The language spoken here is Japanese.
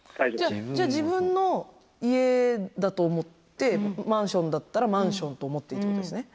じゃあ自分の家だと思ってマンションだったらマンションと思っていいってことですね？